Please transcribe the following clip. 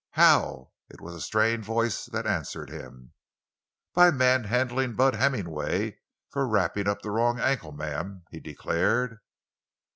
"How?" It was a strained voice that answered him. "By manhandling Bud Hemmingway for wrapping up the wrong ankle, ma'am!" he declared.